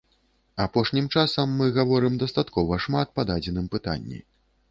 Апошнім часам мы гаворым дастаткова шмат па дадзеным пытанні.